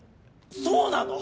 そうなの！？